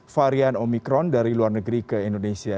varian omikron dari luar negeri ke indonesia